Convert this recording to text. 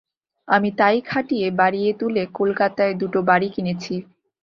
আমি তাই খাটিয়ে বাড়িয়ে তুলে কলকাতায় দুটো বাড়ি কিনেছি।